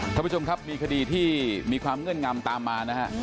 ท่านผู้ชมครับมีคดีที่มีความเงื่อนงำตามมานะฮะ